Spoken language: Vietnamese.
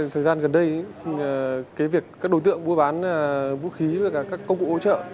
thời gian gần đây thì việc các đối tượng mua bán vũ khí và các công cụ hỗ trợ